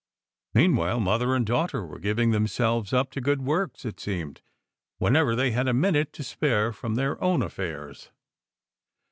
Meanwhile, mother and daughter were giving themselves up to good works, it seemed, whenever they had a minute to spare from their own affairs.